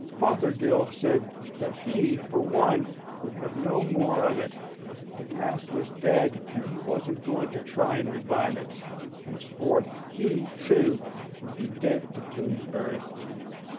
Fothergill said that he, for one, would have no more of it. The past was dead, and he wasn't going to try to revive it. Henceforth he, too, would be dead to Bloomsbury.